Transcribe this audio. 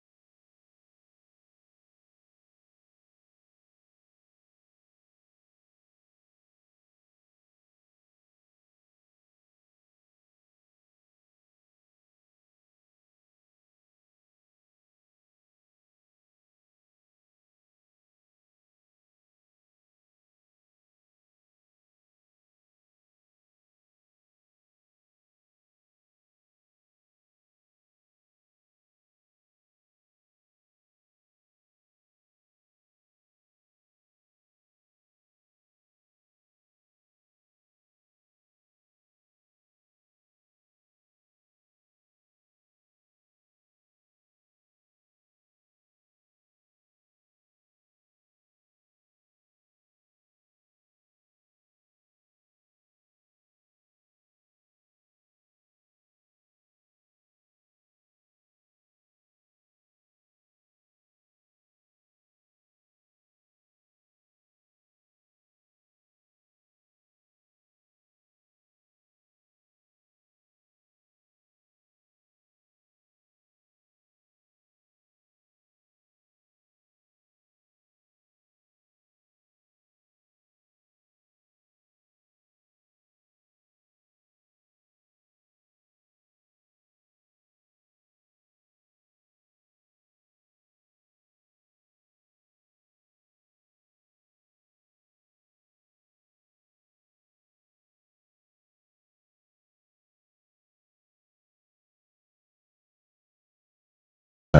dan jangan lupa dong